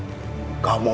orang yang menyerah